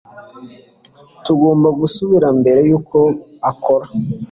Tugomba gusubira mbere yuko akora